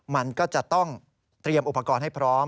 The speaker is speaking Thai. มันก็จะต้องเตรียมอุปกรณ์ให้พร้อม